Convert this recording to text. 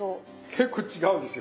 結構違うんですよ。